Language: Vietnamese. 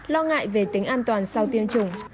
lo ngại về tính an toàn sau tiêm chủng